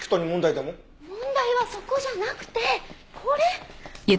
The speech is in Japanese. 問題はそこじゃなくてこれ！